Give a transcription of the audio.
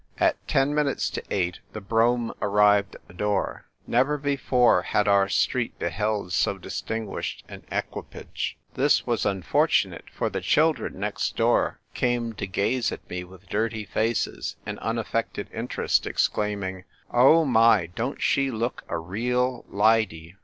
At ten minutes to eight the brougham arrived at the door. Never before had our street beheld so distinguished an equipaj^e. This was unfortunate, for the children next door came to gaze at me with dirty faces and unaffected interest, exclaiming, "Oh, my, don't she look a reel lidy